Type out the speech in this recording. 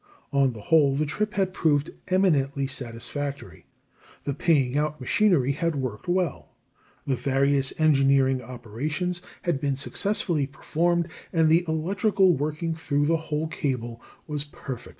On the whole, the trip had proved eminently satisfactory. The paying out machinery had worked well, the various engineering operations had been successfully performed, and the electrical working through the whole cable was perfect.